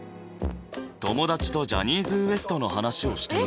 友達とジャニーズＷＥＳＴの話をしていると。